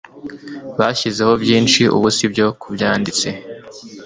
Bashyizeho byinshi ubu sibyo Kubyanditse